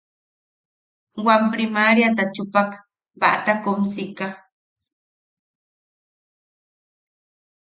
Wam priMaríata chupak batakomsika.